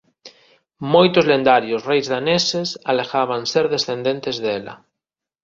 Moitos lendarios reis daneses alegaban ser descendentes dela.